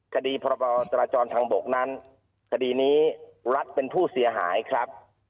คดีพรบจราจรทางบกนั้นคดีนี้รัฐเป็นผู้เสียหายครับ